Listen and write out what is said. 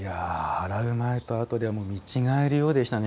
洗う前と後では見違えるようでしたね